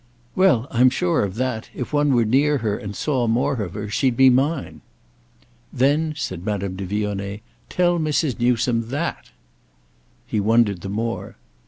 "Well, I'm sure that—if one were near her and saw more of her—she'd be mine." "Then," said Madame de Vionnet, "tell Mrs. Newsome that!" He wondered the more.